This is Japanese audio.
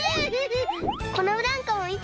このブランコもみて！